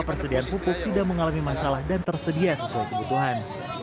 persediaan pupuk tidak mengalami masalah dan tersedia sesuai kebutuhan